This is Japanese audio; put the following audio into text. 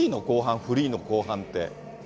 後半、フリーの後半って。